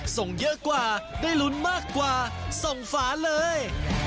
ส่งเยอะกว่าได้ลุ้นมากกว่าส่งฝาเลย